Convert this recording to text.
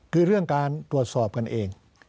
คือเรื่องการตรวจสอบกันเอง